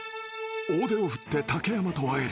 大手を振って竹山と会える］